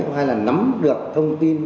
hai là nắm được thông tin